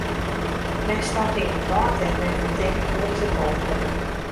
Men stapt yn in wrâld dêr't men fan tinkt: hoe is it mooglik.